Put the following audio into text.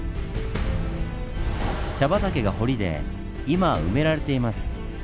茶畑が堀で今埋められています。